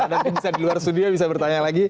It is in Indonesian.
dan bisa di luar studio bisa bertanya lagi